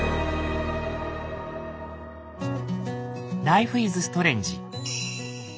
「ライフイズストレンジ」。